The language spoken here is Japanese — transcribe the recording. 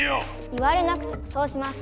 言われなくてもそうします。